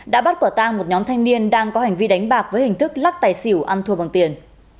đã bắt quả tang một nhóm thanh niên đang có hành vi đánh bạc với hình thức lắc tài xỉu ăn thua bằng tiền